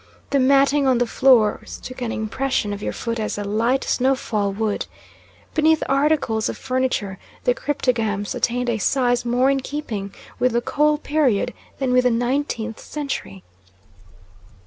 The matting on the floors took an impression of your foot as a light snowfall would. Beneath articles of furniture the cryptogams attained a size more in keeping with the coal period than with the nineteenth century.